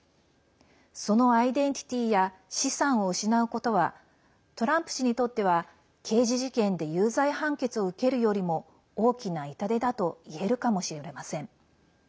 そのアイデンティティーや資産を失うことはトランプ氏にとっては刑事事件で有罪判決を受けるよりも大きな痛手だといえるかもしれません。